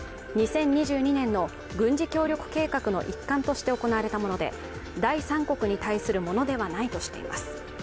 ２０２２年の軍事協力計画の一環として行われたもので、第三国に対するものではないとしています。